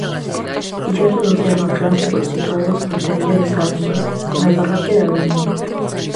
Illote do Océano Atlántico, situado fronte á illa de Sálvora, na parroquia de Aguiño.